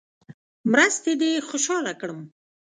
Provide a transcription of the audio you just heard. مرستې دې خوشاله کړم.